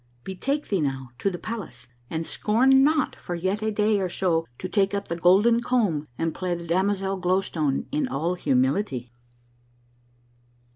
Betake thee now to the palace, and scorn not for yet a day or so to take up the golden comb and play the damozel Glow Stone in all humility."